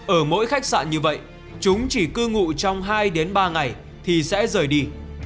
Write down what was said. ở mỗi khách sạn như vậy chúng chỉ cư ngụ trong hai đến ba ngày thì sẽ rời đi